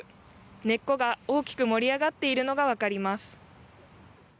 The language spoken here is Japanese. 根っこが大きく盛り上がっているのが分かります。